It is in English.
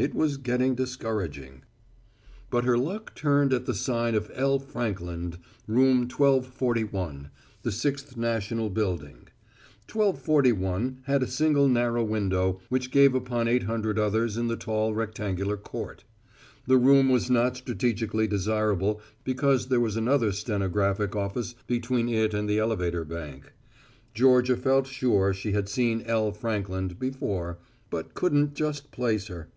It was getting discouraging. But her luck turned at the sign of L. Frankland, room 1241, the Sixth National Building. 1241 had a single narrow window which gave upon eight hundred others in the tall rectangular court. The room was not strategically desirable because there was another stenographic office between it and the elevator bank. Georgia felt sure she had seen L. Frankland before, but couldn't just place her.